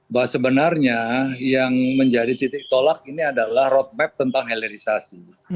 bahwa sebenarnya yang menjadi titik tolak ini adalah roadmap tentang helerisasi